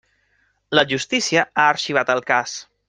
La justícia ha arxivat el cas.